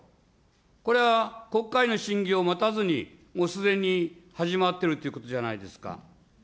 これは、国会の審議を待たずに、もうすでに始まってるってことじゃないですか。